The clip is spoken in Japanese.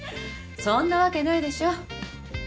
そんなわけないでしょ。